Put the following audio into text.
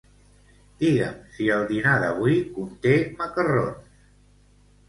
Digue'm si el dinar d'avui conté macarrons.